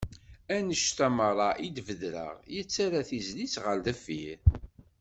Annenct-a meṛṛa i d-bedreɣ, yettarra tizlit ɣer deffir.